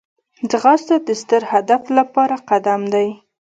ځغاسته د ستر هدف لپاره قدم دی